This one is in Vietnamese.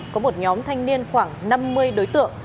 có một nhóm thanh niên khoảng năm mươi đối tượng